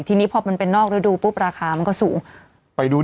ทีนี้พอมันเป็นนอกฤดูปุ๊บราคามันก็สูงไปดู